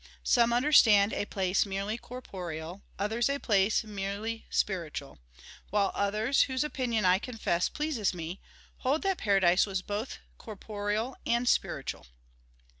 Some understand a place merely corporeal; others a place entirely spiritual; while others, whose opinion, I confess, pleases me, hold that paradise was both corporeal and spiritual."